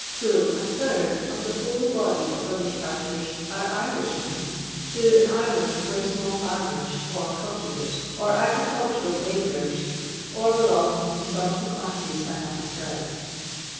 Full a third of the whole body of rubbish carters are Irishmen, who iu Ireland were small &rmer«, or cottiers, or agricultural labourers, or boluuged to some of the chisses I have dtfscribed.